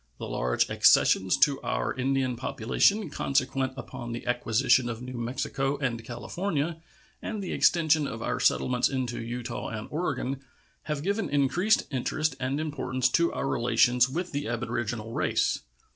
The large accessions to our Indian population consequent upon the acquisition of New Mexico and California and the extension of our settlements into Utah and Oregon have given increased interest and importance to our relations with the aboriginal race.